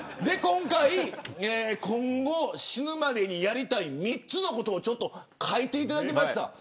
で、今回今後死ぬまでにやりたい３つのことを、ちょっと書いていただきました。